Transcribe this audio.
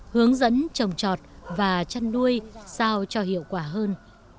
hướng dẫn trồng trọt và chăn nuôi sao cho hiệu quả hơn